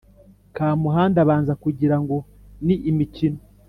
Kamuhanda abanza kugira ngo ni imikino.